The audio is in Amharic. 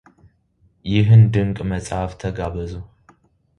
ይህን ድንቅ መጽሐፍ ተጋበዙ